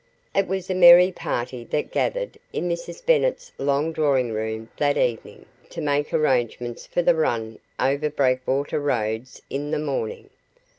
It was a merry party that gathered in Mrs. Bennet's long drawing room that evening to make arrangements for the run over Breakwater roads in the morning.